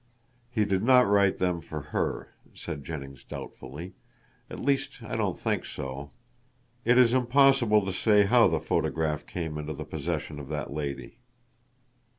"He did not write them for her," said Jennings doubtfully, "at least I don't think so. It is impossible to say how the photograph came into the possession of that lady."